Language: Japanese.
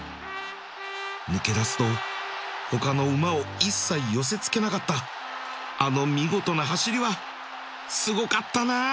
抜け出すと他の馬を一切寄せ付けなかったあの見事な走りはすごかったなぁ